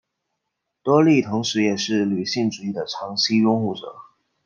多莉同时也是女性主义的长期拥护者。